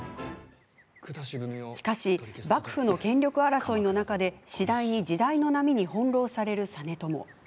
しかし、幕府の権力争いの中で次第に時代の波に翻弄される実朝。